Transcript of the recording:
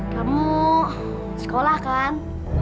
kamu sekolah kan